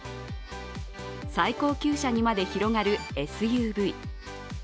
最高級車にまで広がるＳＵＶ。